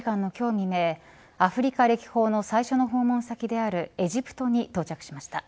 未明アフリカ歴訪の最初の訪問先であるエジプトに到着しました。